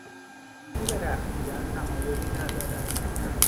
او به رقصیدن تمایلی ندارد.